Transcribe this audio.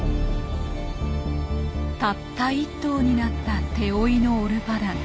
たった１頭になった手負いのオルパダン。